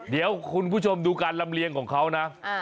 เดี๋ยวคุณผู้ชมดูการลำเลียงของเขานะ